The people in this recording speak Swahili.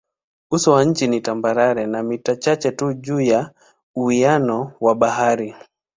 Uso wa nchi ni tambarare na mita chache tu juu ya uwiano wa bahari.